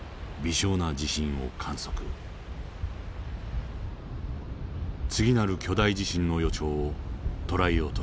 次なる巨大地震の予兆を捉えようとしています。